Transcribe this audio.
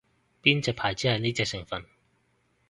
邊隻牌子係呢隻成份